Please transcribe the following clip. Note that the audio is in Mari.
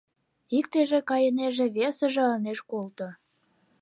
Иктыже кайынеже, весыже ынеж колто.